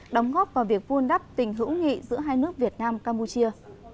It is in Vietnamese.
đóng góp vào việc vun đắp tình hữu nghị giữa hai nước việt nam campuchia